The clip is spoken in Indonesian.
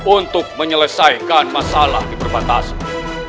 untuk menyelesaikan masalah di perbatasan